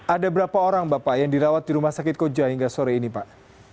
ada berapa orang bapak yang dirawat di rumah sakit koja hingga sore ini pak